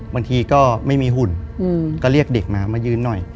บางทีก็ไม่มีหุ่นก็เรียกเด็กมามายืนหน่อย